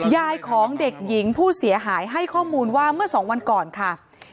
ยายของเด็กหญิงผู้เสียหายให้ข้อมูลว่าเมื่อสองวันก่อนค่ะ